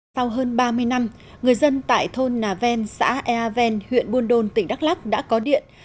sau hơn ba mươi năm người dân tại thôn nà ven xã ea ven huyện buôn đôn tỉnh đắk lắc đã có điện